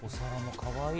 かわいい。